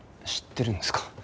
知ってるんですか？